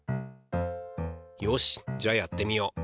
よしじゃあやってみよう。